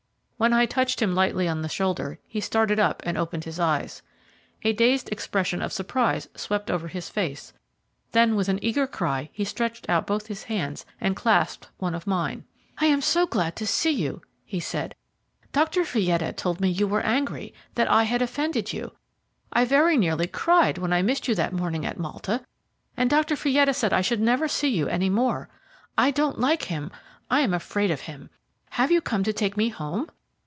When I touched him lightly on the shoulder he started up and opened his eyes. A dazed expression of surprise swept over his face; then with an eager cry he stretched out both his hands and clasped one of mine. "I am so glad to see you," he said. "Dr. Fietta told me you were angry that I had offended you. I very nearly cried when I missed you that morning at Malta, and Dr. Fietta said I should never see you any more. I don't like him I am afraid of him. Have you come to take me home?"